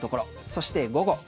そして午後。